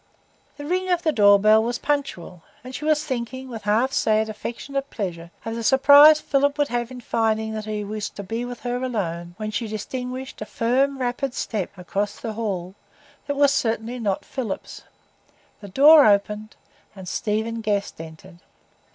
The ring of the door bell was punctual, and she was thinking with half sad, affectionate pleasure of the surprise Philip would have in finding that he was to be with her alone, when she distinguished a firm, rapid step across the hall, that was certainly not Philip's; the door opened, and Stephen Guest entered.